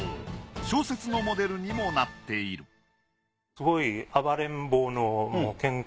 小説のモデルにもなっているえ！